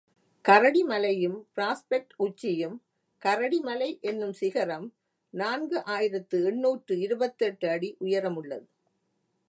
கரடிமலையும் prospect உச்சியும் கரடிமலை என்னும் சிகரம் நான்கு ஆயிரத்து எண்ணூற்று இருபத்தெட்டு அடி உயரமுள்ளது.